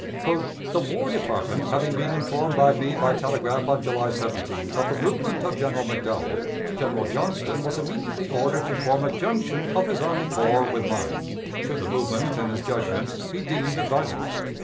"The War Department having been informed by me, by telegraph on July 17th, of the movement of General McDowell, General Johnston was immediately ordered to form a junction of his army corps with mine, should the movement in his judgment be deemed advisable.